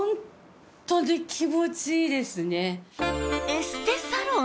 エステサロン？